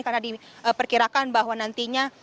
karena diperkirakan bahwa nantinya